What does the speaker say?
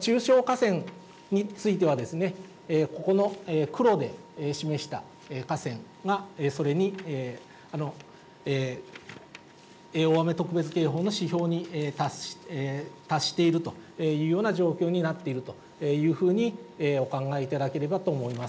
中小河川についてはですね、ここの黒で示した河川が、それに、大雨特別警報の指標に達しているというような状況になっているというふうにお考えいただければと思います。